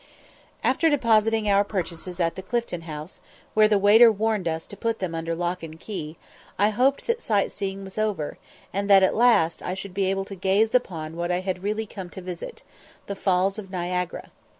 After depositing our purchases at the Clifton House, where the waiter warned us to put them under lock and key, I hoped that sight seeing was over, and that at last I should be able to gaze upon what I had really come to visit the Falls of Niagara.